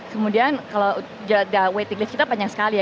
kemudian kalau waiting list kita panjang sekali ya